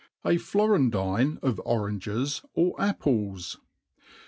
A Florendlne of Oranges or Apples.